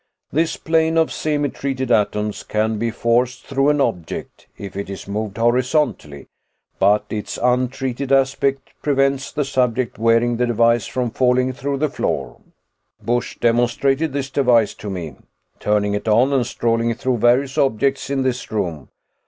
This plane of 'semi treated' atoms can be forced through an object, if it is moved horizontally, but its 'untreated' aspect prevents the subject wearing the device from falling through the floor. "Busch demonstrated this device to me, turning it on and strolling through various objects in this room.